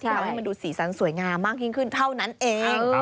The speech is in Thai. ทำให้มันดูสีสันสวยงามมากยิ่งขึ้นเท่านั้นเอง